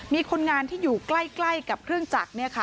มีคนงานที่อยู่ใกล้กับเครื่องจักร